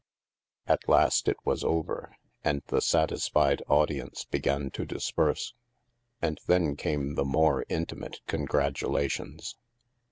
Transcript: At last it was over, and the satisfied audience began to disperse. And then came the more inti mate congratulations.